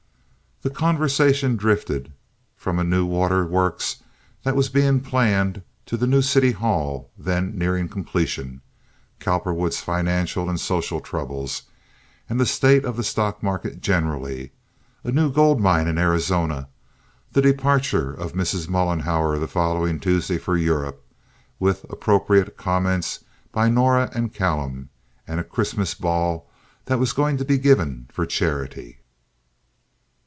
The conversation drifted from a new water works that was being planned to the new city hall, then nearing completion; Cowperwood's financial and social troubles, and the state of the stock market generally; a new gold mine in Arizona; the departure of Mrs. Mollenhauer the following Tuesday for Europe, with appropriate comments by Norah and Callum; and a Christmas ball that was going to be given for charity.